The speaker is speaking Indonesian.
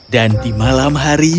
dan di malam hari